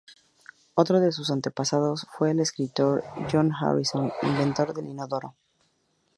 Otro de sus antepasados fue el escritor John Harington, inventor del inodoro.